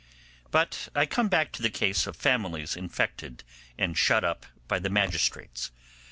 But I come back to the case of families infected and shut up by the magistrates.